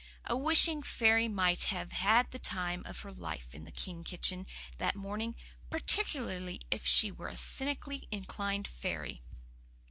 A wishing fairy might have had the time of her life in the King kitchen that morning particularly if she were a cynically inclined fairy.